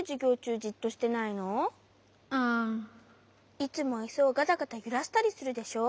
いつもイスをガタガタゆらしたりするでしょ？